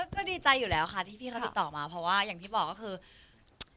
ก็ดีใจอยู่แล้วค่ะที่พี่เขาติดต่อมาเพราะว่าอย่างที่บอกก็คือ